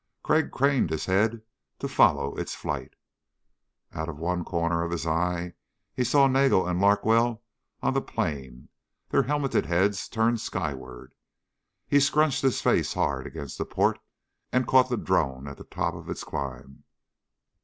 Crag craned his head to follow its flight. Out of one corner of his eye he saw Nagel and Larkwell on the plain, their helmeted heads turned skyward. He scrunched his face hard against the port and caught the drone at the top of its climb.